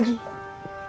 tidak ada orang masyarakat